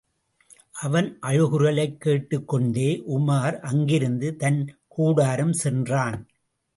அவன் அழுகுரலைக் கேட்டுக் கொண்டே உமார் அங்கிருந்து தன் கூடாரம் சென்றான்.